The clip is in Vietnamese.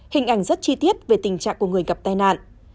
hình ảnh rất chi tiết về tình trạng của người gặp tai nạn